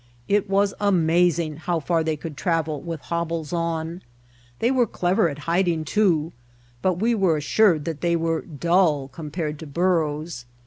It was amazing how far they could travel with hobbles on. They were clever at hiding, too, but we were assured that they were dull compared to burros.